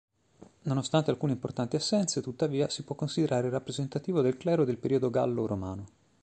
Nonostante alcune importanti assenze, tuttavia, si può considerare rappresentativo del clero del periodo gallo-romano.